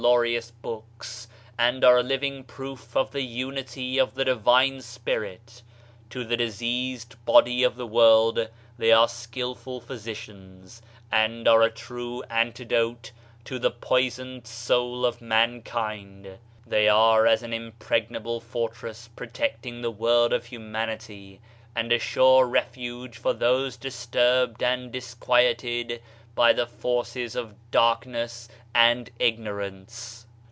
39 Digitized by Google MYSTERIOUS FORCES Books, and are a living proof of the unity of the divine Spirit; to the diseased body of the world, they are skilful physicians, and are a true antidote to the poisoned soul of mankind. They are as an impregnable fortress protecting the world of hu manity, and a sure refuge for those disturbed and disquieted by the forces of darkness and ignorance.